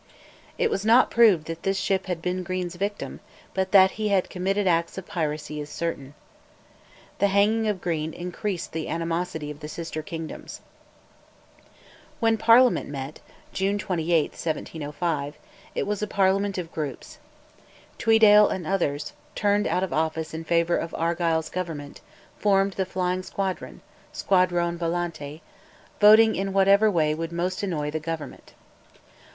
It was not proved that this ship had been Green's victim, but that he had committed acts of piracy is certain. The hanging of Green increased the animosity of the sister kingdoms. When Parliament met, June 28, 1705, it was a parliament of groups. Tweeddale and others, turned out of office in favour of Argyll's Government, formed the Flying Squadron (Squadrone volante), voting in whatever way would most annoy the Government.